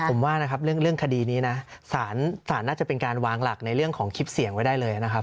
ผมว่านะครับเรื่องคดีนี้นะสารน่าจะเป็นการวางหลักในเรื่องของคลิปเสียงไว้ได้เลยนะครับ